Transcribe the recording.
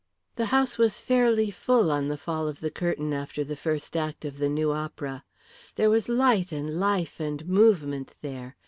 The house was fairly full on the fall of the curtain after the first act of the new opera. There was light and life and movement there.